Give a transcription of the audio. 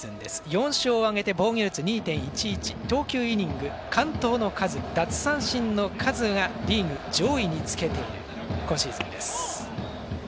４勝挙げて防御率２．１１投球イニング、完投の数奪三振の数がリーグ上位につけている今シーズンです。